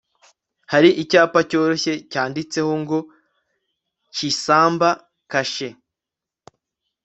hari icyapa cyoroshye cyanditseho ngo, 'chisamba.' kashe